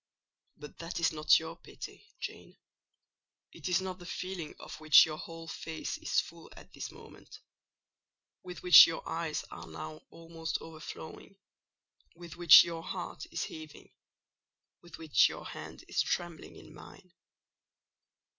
But that is not your pity, Jane; it is not the feeling of which your whole face is full at this moment—with which your eyes are now almost overflowing—with which your heart is heaving—with which your hand is trembling in mine.